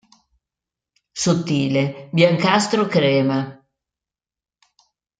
Sottile, biancastro-crema.